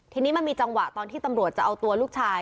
ทีนี้มันมีจังหวะตอนที่ตำรวจจะเอาตัวลูกชาย